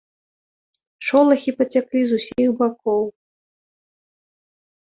Шолахі пацяклі з усіх бакоў.